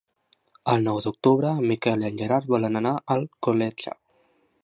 El nou d'octubre en Miquel i en Gerard volen anar a Alcoletge.